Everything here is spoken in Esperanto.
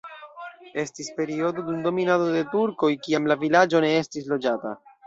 Estis periodo dum dominado de turkoj, kiam la vilaĝo ne estis loĝata.